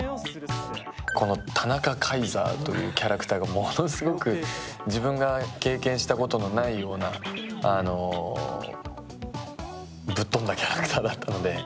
この田中皇帝というキャラクターがものすごく、自分が経験したことのないようなぶっ飛んだキャラクターだったので。